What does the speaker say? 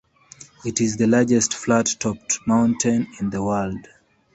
It is the largest flat-topped mountain in the world.